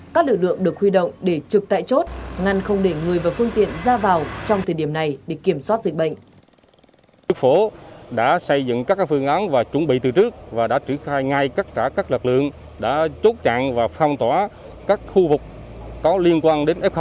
các lực lượng được huy động để trực tại chốt ngăn không để người và phương tiện ra vào trong thời điểm này để kiểm soát dịch bệnh